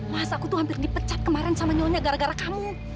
masa aku tuh hampir dipecat kemarin sama nyonya gara gara kamu